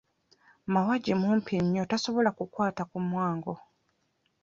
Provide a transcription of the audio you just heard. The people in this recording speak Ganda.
Mawagi mumpi nnyo tasobola kukwata ku mwango.